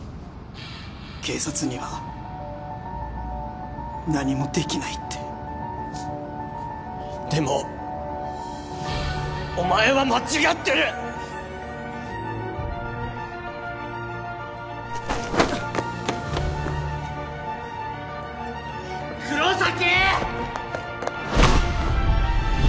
警察には何もできないってでもお前は間違ってるっ黒崎！